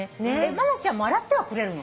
真ちゃんも洗ってはくれるの？